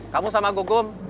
kamu sama gugum